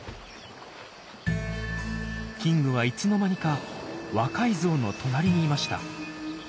キングはいつの間にか若いゾウの隣にいました。